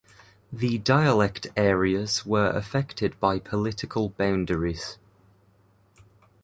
The dialect areas were affected by political boundaries.